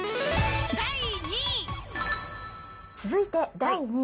第２位。